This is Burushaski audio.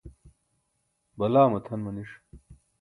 balaa matʰan maniṣ